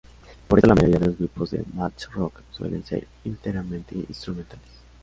Por esto, la mayoría de los grupos de math rock suelen ser enteramente instrumentales.